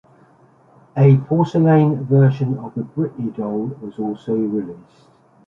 A porcelain version of the Britney Doll was also released.